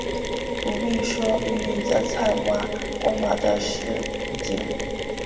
不必说碧绿的菜畦，光滑的石井栏